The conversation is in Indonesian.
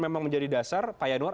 memang menjadi dasar pak yanuar